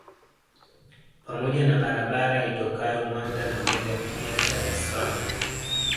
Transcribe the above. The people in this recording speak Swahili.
Pamoja na barabara itokayo Mwanza na Mbeya pia Dar es Salaam